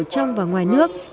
trong và ngoài nước